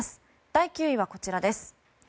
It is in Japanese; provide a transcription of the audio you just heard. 第９位はこちらです。